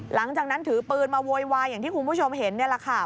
หลังจากนั้นถือปืนมาโวยวายอย่างที่คุณผู้ชมเห็นนี่แหละค่ะ